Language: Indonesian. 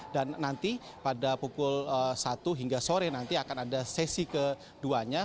dan nanti pada pukul satu hingga sore nanti akan ada sesi keduanya